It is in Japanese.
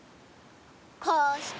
こうして。